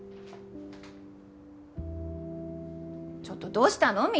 ちょっとどうしたの？